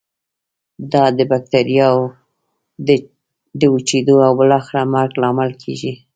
دا د بکټریا د وچیدو او بالاخره مرګ لامل کیږي.